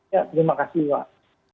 ya terima kasih pak